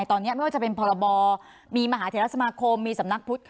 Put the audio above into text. ตอนนี้ไม่ว่าจะเป็นพรบมีมหาเทรสมาคมมีสำนักพุทธ